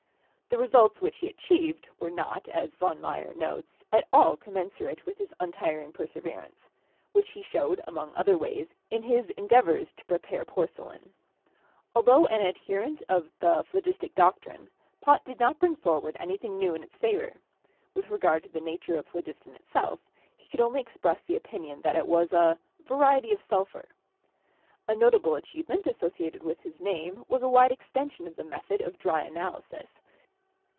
The results which he achieved were not, as von Meyer notes, at all commensurate with his untiring per severance, which he showed, among other ways, in his endeavors to prepare porcelain. Altho an adherent of the phlogistic doctrine, Pott did not bring forward any thing new in its favor; with regard to the nature of phlogiston itself, he could only express the opinion that it was "a variety of sulphur." A notable achievement as sociated with his name was a wide extension of the method of dry analysis.